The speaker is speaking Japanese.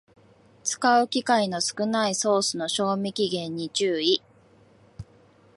使う機会の少ないソースの賞味期限に注意